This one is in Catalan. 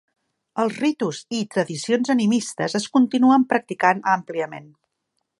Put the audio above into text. Els ritus i tradicions animistes es continuen practicant àmpliament.